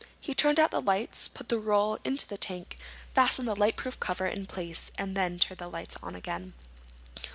He turned out the lights, put the roll into the tank, fastened the lightproof cover in place and then turned the lights on again.